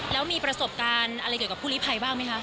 แล้วมีประสบการณ์อะไรเกี่ยวกับผู้ลิภัยบ้างไหมคะ